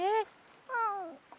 うん。